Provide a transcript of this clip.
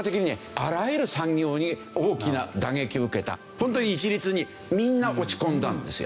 本当に一律にみんな落ち込んだんですよ。